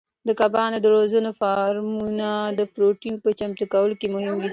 د کبانو د روزنې فارمونه د پروتین په چمتو کولو کې مهم دي.